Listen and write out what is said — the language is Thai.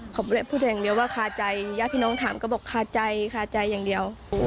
เขาพูดอย่างเดียวว่าคาใจญาติพี่น้องถามก็บอกคาใจคาใจอย่างเดียว